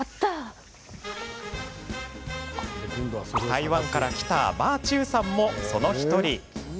台湾から来た馬緻宇さんもその１人。